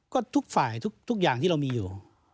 ก็ทุกฝ่ายทุกอย่างที่เรามีอยู่